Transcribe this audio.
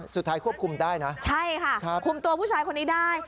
สุดท้ายควบคุมได้นะใช่ค่ะคุมตัวผู้ชายคนนี้ได้